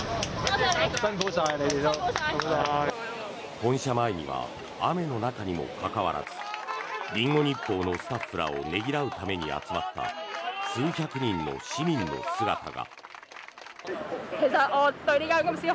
本社前には雨の中にもかかわらずリンゴ日報のスタッフらをねぎらうために集まった数百人の市民の姿が。